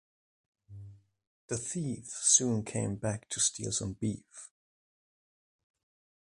The thief soon came back to steal some beef.